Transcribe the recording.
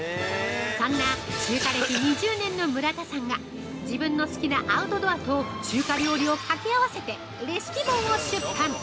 ◆そんな中華歴２０年の村田さんが、自分の好きなアウトドアと中華料理を掛け合わせてレシピ本を出版！